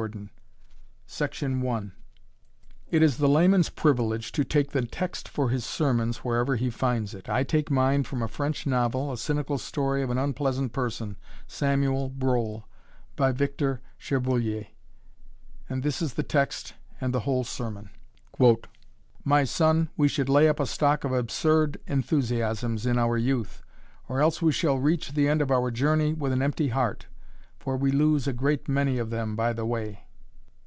Life's Enthusiasms It is the layman's privilege to take the text for his sermons wherever he finds it. I take mine from a French novel, a cynical story of an unpleasant person, Samuel Brohl, by Victor Cherbuliez; And this is the text and the whole sermon: "My son, we should lay up a stock of absurd enthusiasms in our youth or else we shall reach the end of our journey with an empty heart, for we lose a great many of them by the way."